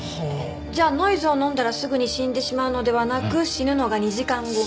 じゃあノイズを飲んだらすぐに死んでしまうのではなく死ぬのが２時間後。